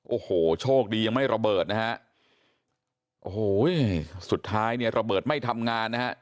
โอ้โหโชคดียังไม่ระเบิดนะฮะโอ้โหสุดท้ายเนี่ยระเบิดไม่ทำงานนะฮะ